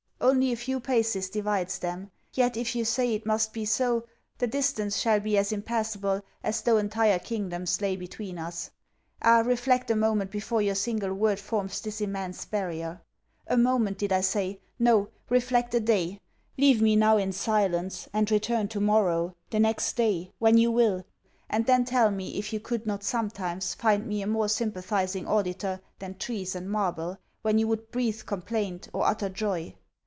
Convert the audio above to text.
Only a few paces divides them. Yet, if you say it must be so, the distance shall be as impassable as though entire kingdoms lay between us. Ah, reflect a moment before your single word forms this immense barrier! A moment did I say? No: reflect a day. Leave me now in silence; and return to morrow, the next day, when you will, and then tell me, if you could not sometimes find me a more sympathizing auditor than trees and marble, when you would breathe complaint, or utter joy.